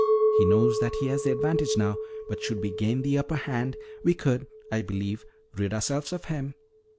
He knows that he has the advantage now, but should we gain the upper hand, we could, I believe, rid ourselves of him.